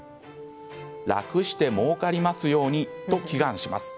楽して、もうかりますようにと祈願します。